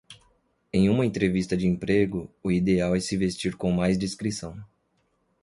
Em uma entrevista de emprego, o ideal é se vestir com mais discrição.